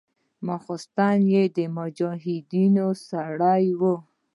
څښتن يې د مجاهيدنو سړى و.